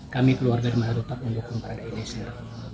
kami keluarga di manado tak mendukung para richard eliezer